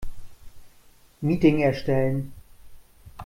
Meeting erstellen.